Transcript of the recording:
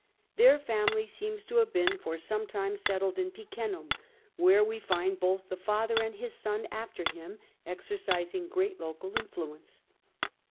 Their family seems to have been for some time settled in Picenum, where we find both the father and his son after him exercising great local influence.